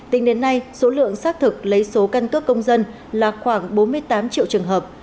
tính đến nay số lượng xác thực lấy số căn cước công dân là khoảng bốn mươi tám triệu trường hợp